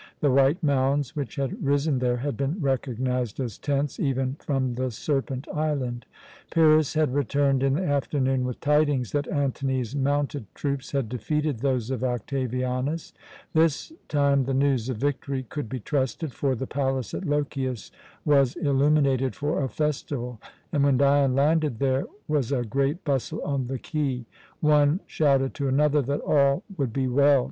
The white mounds which had risen there had been recognized as tents, even from the Serpent Island. Pyrrhus had returned in the afternoon with tidings that Antony's mounted troops had defeated those of Octavianus. This time the news of victory could be trusted, for the palace at Lochias was illuminated for a festival and when Dion landed there was a great bustle on the quay. One shouted to another that all would be well.